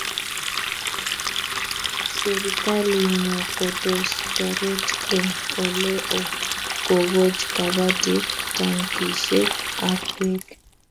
Serikalinyo ko tos taret eng' ole oo kokoch kabatik tankishek ab peek